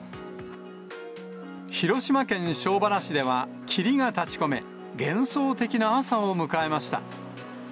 広島県庄原市では霧が立ち込め、幻想的な朝を迎えました。